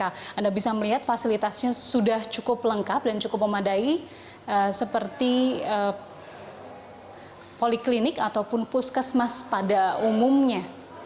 anda bisa melihat fasilitasnya sudah cukup lengkap dan cukup memadai seperti poliklinik ataupun puskesmas pada umumnya